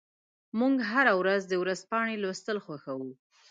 موږ هره ورځ د ورځپاڼې لوستل خوښوو.